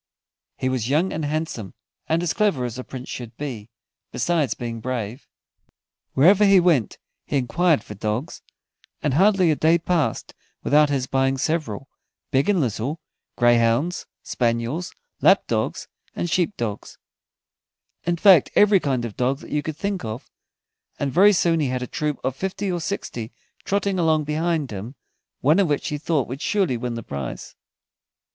He was young and handsome, and as clever as a Prince should be, besides being brave. Wherever he went he enquired for dogs, and hardly a day passed without his buying several, big and little, greyhounds, spaniels, lap dogs, and sheep dogs in fact, every kind of dog that you could think of, and very soon he had a troop of fifty or sixty trotting along behind him, one of which he thought would surely win the prize.